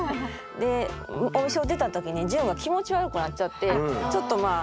でお店を出た時にジュンが気持ち悪くなっちゃってちょっとまあ